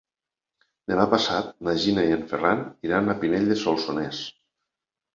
Demà passat na Gina i en Ferran iran a Pinell de Solsonès.